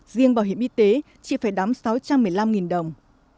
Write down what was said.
riêng bảo hiểm y tế chị phải đóng sáu trăm một mươi năm đồng